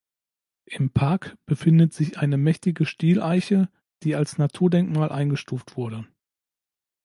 Im Park befindet sich eine mächtige Stieleiche, die als Naturdenkmal eingestuft wurde.